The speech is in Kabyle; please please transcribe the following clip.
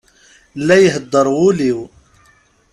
La ihedder wul-iw.